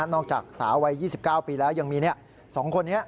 นอกจากสาววัย๒๙ปีแล้วยังมีเนี่ย๒คนเนี่ย